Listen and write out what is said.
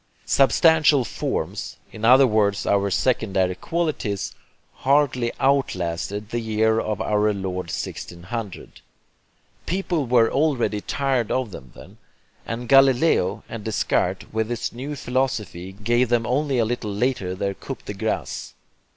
Substantial forms (in other words our secondary qualities) hardly outlasted the year of our Lord 1600. People were already tired of them then; and Galileo, and Descartes, with his 'new philosophy,' gave them only a little later their coup de grace.